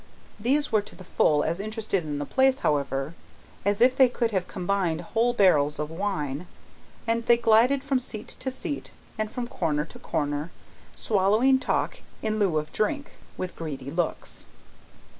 These were to the full as interested in the place, however, as if they could have commanded whole barrels of wine; and they glided from seat to seat, and from corner to corner, swallowing talk in lieu of drink, with greedy looks.